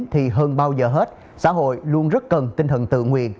thì hơn bao giờ hết xã hội luôn rất cần tinh thần tự nguyện